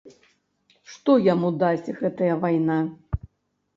Што яму дасць гэтая вайна?